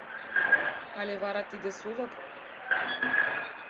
«Але вара тиде сулык?